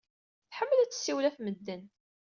Tḥemmel ad tessiwel ɣef medden.